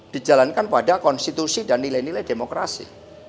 dijalankan pada konstitusi dan nilai nilai demokrasi